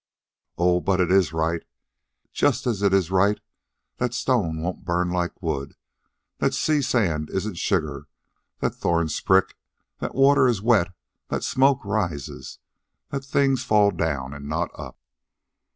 "Oh, but it is right, just as it is right that stone won't burn like wood, that sea sand isn't sugar, that thorns prick, that water is wet, that smoke rises, that things fall down and not up."